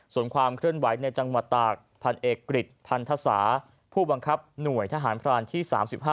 ส่วนความเคลื่อนไหวในจังหวัดตากพันเอกกฤษพันธสาผู้บังคับหน่วยทหารพรานที่๓๕